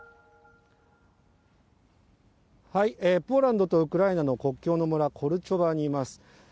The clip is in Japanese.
ポーランドとウクライナの国境の村、コルチョバにいます。